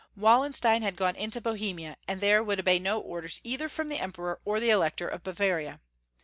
Wallenstein had gone into Bohemia, and there would obey no orders either from the Emperor or the Elector of Bavaria.